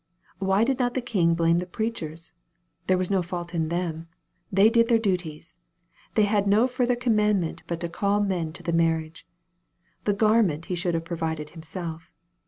Why did not the king blame the preachers ? There was no fault in them, they did their duties : they had no fur ther commandment but to call men to the marriage. The garment he should have provided himself.